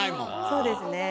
そうですね。